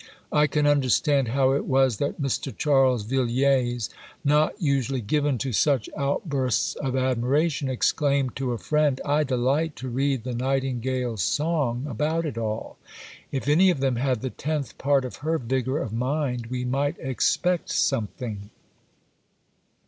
I can understand how it was that Mr. Charles Villiers, not usually given to such outbursts of admiration, exclaimed to a friend: "I delight to read the Nightingale's song about it all. If any of them had the tenth part of her vigour of mind we might expect something."